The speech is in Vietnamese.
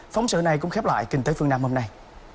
phóng sự này cũng khép lại kinh tế phương nam hôm nay